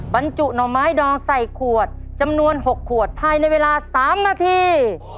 บรรจุหน่อไม้ดองใส่ขวดจำนวน๖ขวดภายในเวลา๓นาที